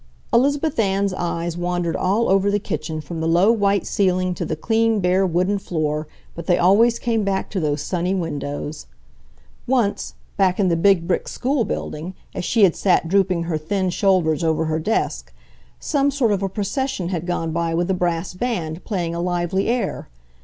Elizabeth Ann's eyes wandered all over the kitchen from the low, white ceiling to the clean, bare wooden floor, but they always came back to those sunny windows. Once, back in the big brick school building, as she had sat drooping her thin shoulders over her desk, some sort of a procession had gone by with a brass band playing a lively air.